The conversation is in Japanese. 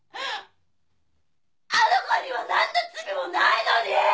あの子には何の罪もないのに！！